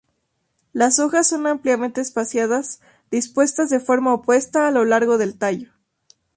Las hojas son ampliamente espaciadas dispuestas de forma opuesta a lo largo del tallo.